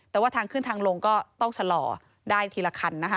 แล้วก็ทางขึ้นทางลงก็ต้องสะหร่อได้ทีละคันนะฮะ